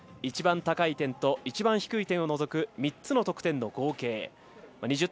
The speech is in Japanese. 一番高い点と一番低い点を除く３つの得点の合計。